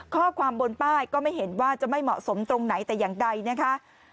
ข้อความบนป้ายก็ไม่เห็นว่าจะไม่เหมาะสมตรงไหนแต่อย่างใดนะคะ